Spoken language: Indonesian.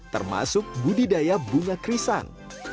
termasuk budidaya bunga krisan